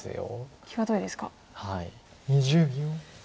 際どいですか？